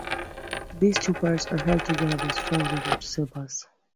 These two parts are held together by strong, rigid steel bars.